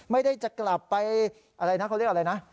ไม่ได้จะกลับไปอะไรนะเขาเรียกอะไรนะ